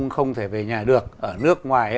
không thể về nhà được ở nước ngoài